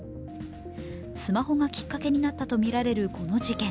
スマホがきっかけになったとみられるこの事件。